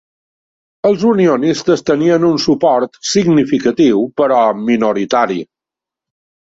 Els unionistes tenien un suport significatiu però minoritari.